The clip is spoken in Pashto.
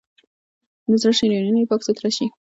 د زړه شریانونه یې پاک سوتره شي.